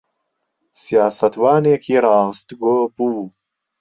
سیاسەتوانێکی ڕاستگۆ بوو.